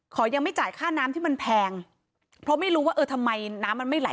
ยังไม่จ่ายค่าน้ำที่มันแพงเพราะไม่รู้ว่าเออทำไมน้ำมันไม่ไหล